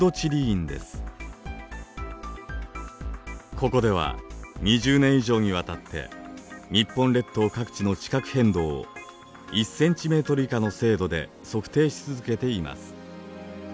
ここでは２０年以上にわたって日本列島各地の地殻変動を１ｃｍ以下の精度で測定し続けています。